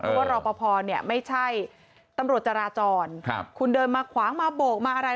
เพราะว่ารอปภเนี่ยไม่ใช่ตำรวจจราจรคุณเดินมาขวางมาโบกมาอะไร